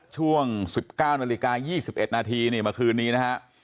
ช่วง๑๙นาฬิกา๒๑นาทีมาคืนนี้นะฮะ